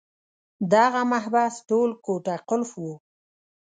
دغه محبس ټول کوټه قلف وو.